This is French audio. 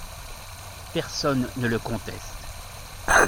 Personne ne le conteste.